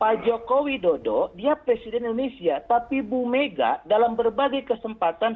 pak jokowi dodo dia presiden indonesia tapi ibu mega dalam berbagai kesempatan